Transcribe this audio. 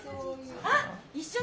あっ！